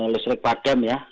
listrik padem ya